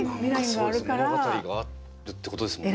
物語があるってことですもんね。